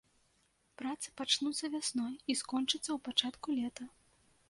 Працы пачнуцца вясной і скончыцца ў пачатку лета.